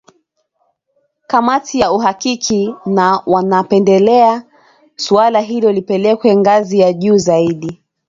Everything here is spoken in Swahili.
kamati ya uhakiki na wanapendelea suala hilo lipelekwe ngazi ya juu zaidi